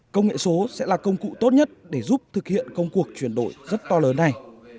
công nghệ số sẽ là công cụ tốt nhất để giúp thực hiện công cuộc chuyển đổi rất to lớn này